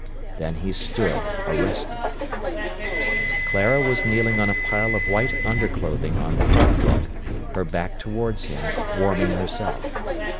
Then he stood, arrested. Clara was kneeling on a pile of white underclothing on the hearthrug, her back towards him, warming herself.